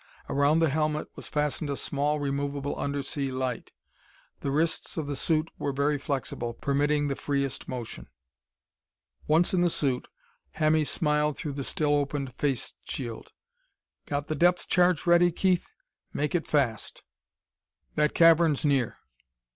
Around the helmet was fastened a small removable undersea light. The wrists of the suit were very flexible, permitting the freest motion. Once in the suit, Hemmy smiled through the still opened face shield. "Got the depth charge ready, Keith? Make it fast that cavern's near!...